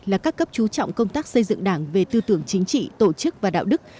là các cấp trú trọng công tác xây dựng đảng về tư tưởng chính trị tổ chức và đạo đức